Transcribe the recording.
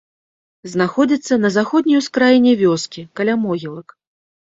Знаходзіцца на заходняй ускраіне вёскі, каля могілак.